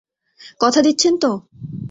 কথা দিচ্ছেন তো?